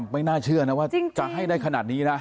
ไม่น่าเชื่อนะว่าจะให้ได้ขนาดนี้นะ